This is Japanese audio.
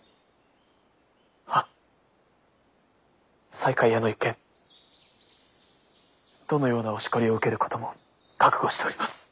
西海屋の一件どのようなお叱りを受けることも覚悟しております。